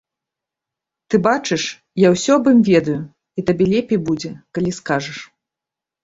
Ты бачыш, я ўсё аб ім ведаю, і табе лепей будзе, калі скажаш.